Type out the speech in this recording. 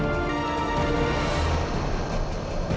aku akan buktikan